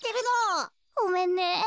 ごめんね。